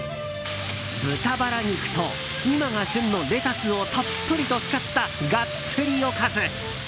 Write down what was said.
豚バラ肉と今が旬のレタスをたっぷりと使ったガッツリおかず。